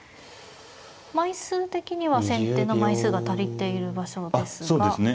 枚数的には先手の枚数が足りている場所ですが。